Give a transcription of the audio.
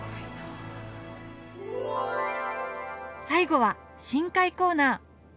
最後は深海コーナー！